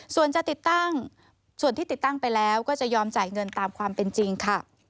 ส่วนจะติดตั้งส่วนที่ติดตั้งไปแล้วก็จะยอมจ่ายเงินตามความเป็นจริงค่ะ